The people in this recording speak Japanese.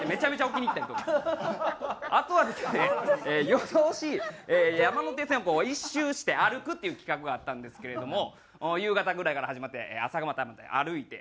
夜通し山手線を１周して歩くっていう企画があったんですけれども夕方ぐらいから始まって朝方まで歩いて。